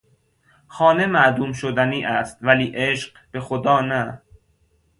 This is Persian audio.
خانه معدوم شدنی است ولی عشق به خدا نه.